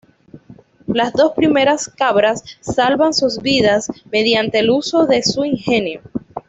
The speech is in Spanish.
Las dos primeras cabras salvan sus vidas mediante el uso de su ingenio.